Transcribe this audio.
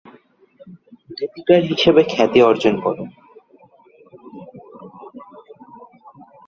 গীতিকার হিসেবে খ্যাতি অর্জন করেন।